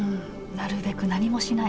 なるべく何もしない。